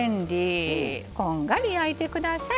こんがり焼いて下さい。